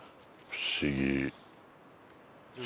不思議。